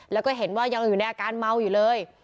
แล้วก็เห็นว่ายังอยู่ในอาการเมาอยู่เลย